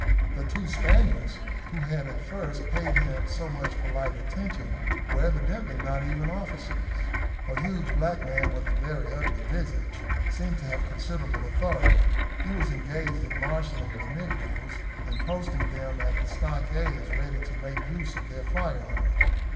The two Spaniards, who had at first paid him so much polite attention, were evidently not even officers. A huge black man, with a very ugly visage, seemed to have considerable authority. He was engaged in marshalling the negroes, and posting them at the stockades ready to make use of their firearms.